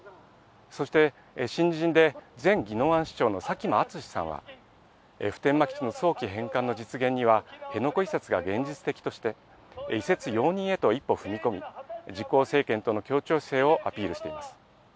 そして、新人で前宜野湾市長の佐喜真淳さんは、普天間基地の早期返還の実現には、辺野古移設が現実的として、移設容認へと一歩踏み込み、自公政権との協調姿勢をアピールしています。